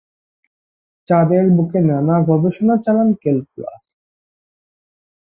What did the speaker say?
চাঁদের বুকে নানা গবেষণা চালান ক্যালকুলাস।